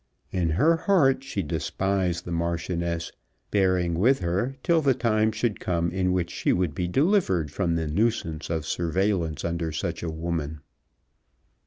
In her heart she despised the Marchioness, bearing with her till the time should come in which she would be delivered from the nuisance of surveillance under such a woman.